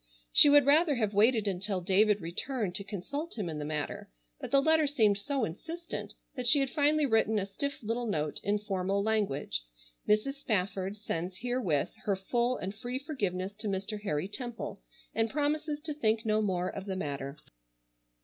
She would rather have waited until David returned to consult him in the matter, but the letter seemed so insistent that she had finally written a stiff little note, in formal language, "Mrs. Spafford sends herewith her full and free forgiveness to Mr. Harry Temple, and promises to think no more of the matter."